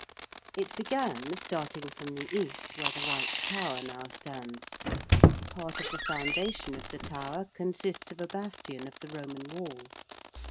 It began, starting from the east where the White Tower now stands. Part of the foundation of the Tower consists of a bastion of the Roman wall.